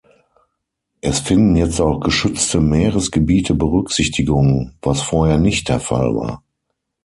Es finden jetzt auch geschützte Meeresgebiete Berücksichtigung, was vorher nicht der Fall war.